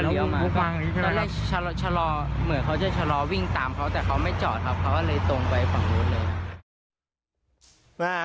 แล้วเราชะลอเหมือนเขาจะชะลอวิ่งตามเขาแต่เขาไม่จอดครับเขาก็เลยตรงไปฝั่งนู้นเลย